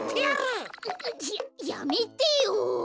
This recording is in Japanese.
ややめてよ！